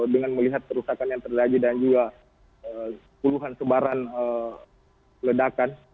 dengan melihat kerusakan yang terjadi dan juga puluhan sebaran ledakan